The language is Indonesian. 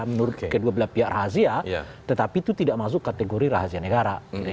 menurut kedua belah pihak rahasia tetapi itu tidak masuk kategori rahasia negara